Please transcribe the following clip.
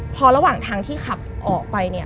พอระหว่างทางที่ขับออกไป